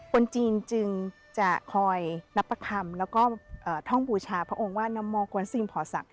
คนจีนจึงจะคอยนับประคำแล้วก็ท่องบูชาพระองค์ว่านโมควรกวนสิ่งพอศักดิ